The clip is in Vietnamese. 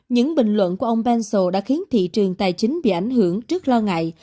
những bình luận của ông pencio đã khiến thị trường tài chính bị ảnh hưởng trước lo ngại